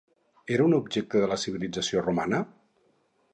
Era un objecte de la civilització romana?